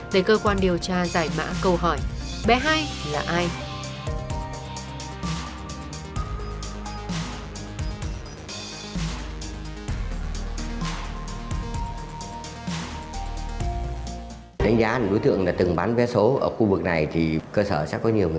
để cơ quan điều tra giải mã câu hỏi